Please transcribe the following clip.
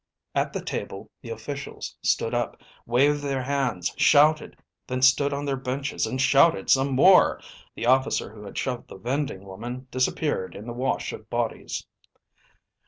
At the table the officials stood up, waved their hands, shouted, then stood on their benches and shouted some more. The officer who had shoved the vending woman disappeared in the wash of bodies.